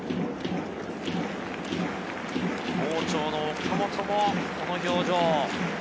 好調の岡本もこの表情。